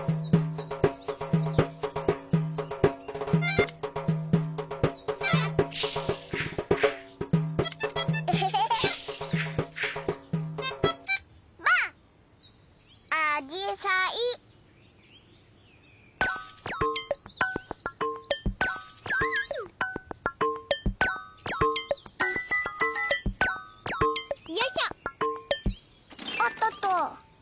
おっとっと。